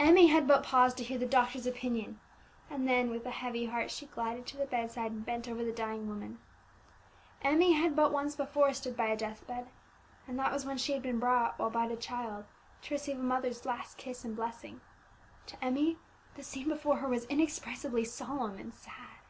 Emmie had but paused to hear the doctor's opinion, and then, with a heavy heart, she glided to the bedside and bent over the dying woman. Emmie had but once before stood by a death bed, and that was when she had been brought, while but a child, to receive a mother's last kiss and blessing. To Emmie the scene before her was inexpressibly solemn and sad.